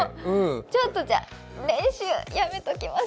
ちょっと練習やめときます。